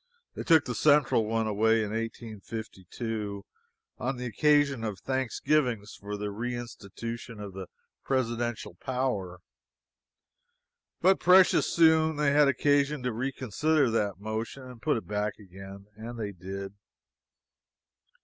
They took the central one away in 1852, on the occasion of thanksgivings for the reinstitution of the presidential power but precious soon they had occasion to reconsider that motion and put it back again! And they did.